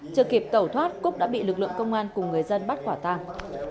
chưa kịp tẩu thoát cúc đã bị lực lượng công an cùng người dân bắt quả tàng